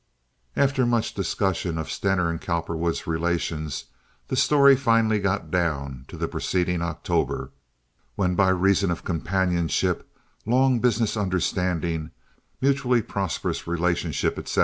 After much discussion of Stener's and Cowperwood's relations the story finally got down to the preceding October, when by reason of companionship, long business understanding, mutually prosperous relationship, etc.